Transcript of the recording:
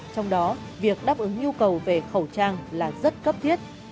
trong đó việc đáp ứng nhu cầu về khẩu trang là rất cấp thiết